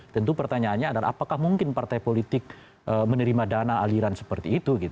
tentu pertanyaannya adalah apakah mungkin partai politik menerima dana aliran seperti itu